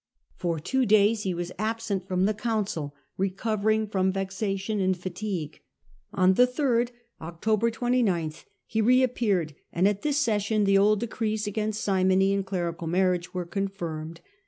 For two days he was absent from the council, recovering from vexation and fatigue. On the third (October 29) he reappeared, and at this session the old decrees against simony and clerical marriage were confirmed.